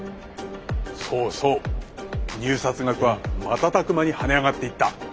そうそう入札額は瞬く間に跳ね上がっていった。